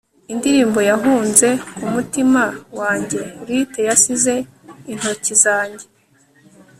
indirimbo yahunze kumutima wanjye, lute yasize intoki zanjye